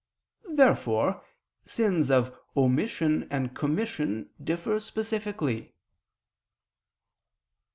Therefore sins of omission and commission differ specifically.